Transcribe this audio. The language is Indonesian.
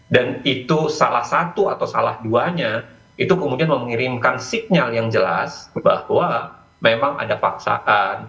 dan itu salah satu atau salah duanya itu kemudian mengirimkan signal yang jelas bahwa memang ada paksaan